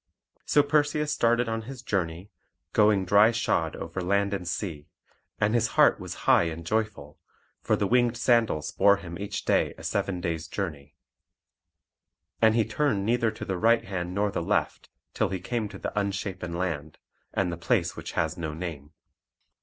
So Perseus started on his journey, going dry shod over land and sea; and his heart was high and joyful, for the winged sandals bore him each day a seven days' journey. And he turned neither to the right hand nor the left, till he came to the Unshapen Land, and the place which has no name.